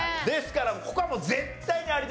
ですからここはもう絶対に。